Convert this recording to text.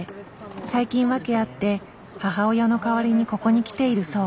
最近訳あって母親の代わりにここに来ているそう。